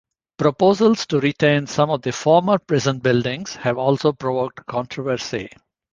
Proposals to retain some of the former prison buildings have also provoked controversy.